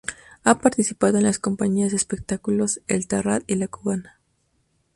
Ha participado en las compañías de espectáculos El Terrat y La Cubana.